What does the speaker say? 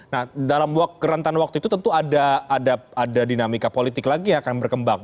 nah dalam kerantan waktu itu tentu ada dinamika politik lagi yang akan berkembang